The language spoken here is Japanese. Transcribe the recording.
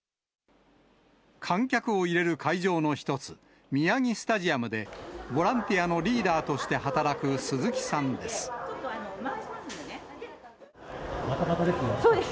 観客を入れる会場の一つ、宮城スタジアムで、ボランティアのリーダーとして働く鈴木さんです。